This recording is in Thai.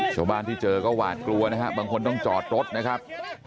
ชาวบ้านที่เจอก็หวาดกลัวนะฮะบางคนต้องจอดรถนะครับ